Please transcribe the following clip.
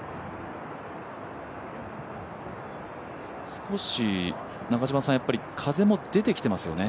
少し風も出てきてますよね。